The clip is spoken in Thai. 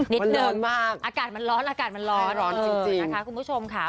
นิดนึงอากาศมันร้อนคุณผู้ชมค่ะ